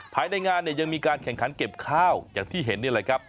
ภายในงานเนี่ยยังมีการแข่งขันเก็บข้าวอย่างที่เห็นนี่แหละครับ